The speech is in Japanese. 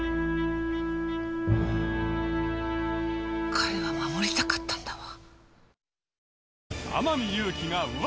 彼は守りたかったんだわ。